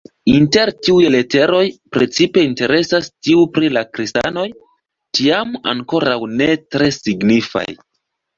Inter tiuj leteroj precipe interesas tiu pri la kristanoj, tiam ankoraŭ ne tre signifaj.